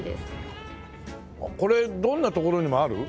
これどんなところにもある？